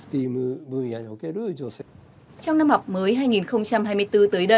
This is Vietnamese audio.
trong năm học mới hai nghìn hai mươi bốn tới đây cùng với lời kêu gọi của chính sách các nữ sinh viên đại học đã đạt được một lý do